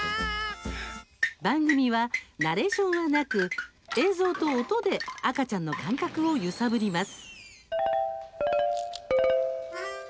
番組は、ナレーションはなく映像と音で赤ちゃんの感覚を揺さぶります。